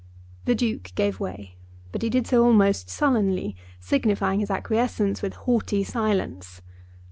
The Duke gave way, but he did so almost sullenly, signifying his acquiescence with haughty silence.